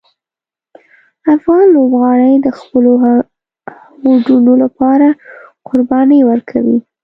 افغان لوبغاړي د خپلو هوډونو لپاره قربانۍ ورکوي.